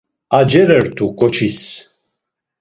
Acerert̆u ǩoçis.